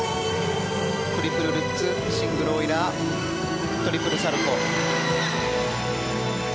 トリプルルッツシングルオイラートリプルサルコウ。